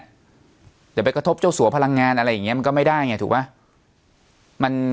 เดี๋ยวไปกระทบเจ้าสัวพลังงานอะไรอย่างนี้มันก็ไม่ได้ไงถูกป่ะ